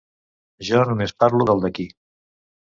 Jo només parlo del d’aquí.